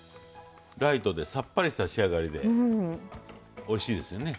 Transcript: ライトでさっぱりした仕上がりでおいしいですよね。